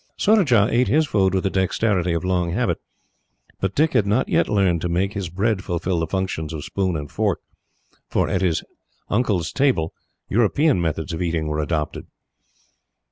Surajah ate his food with the dexterity of long habit, but Dick had not yet learned to make his bread fulfil the functions of spoon and fork, for at his uncle's table European methods of eating were adopted.